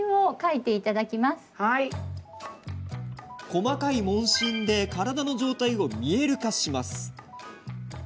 細かい問診で体の状態を見える化します。